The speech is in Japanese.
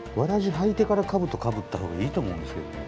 履いてからかぶとかぶったほうがいいと思うんですけどね。